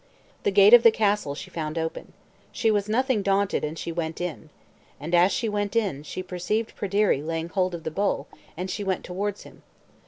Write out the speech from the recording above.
The gate of the castle she found open. She was nothing daunted, and she went in. And as she went in, she perceived Pryderi laying hold of the bowl, and she went towards him.